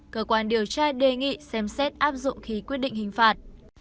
cơ quan điều tra đề nghị xem xét áp dụng khi quyết định hình phạt